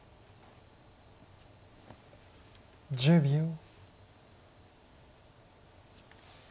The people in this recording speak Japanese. １０秒。